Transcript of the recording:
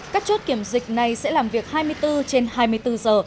các chốt kiểm dịch này sẽ làm việc hai mươi bốn trên hai mươi bốn giờ